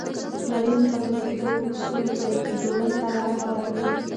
ټولنیز نهادونه د ګډو اصولو پلي کېدو ته لاره هواروي.